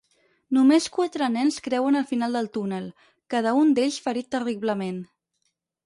Només quatre nens creuen el final del túnel, cada un d'ells ferit terriblement.